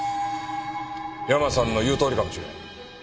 ヤマさんの言うとおりかもしれん。